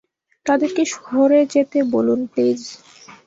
তাদেরকে সরে যেতে বলুন প্লিজ।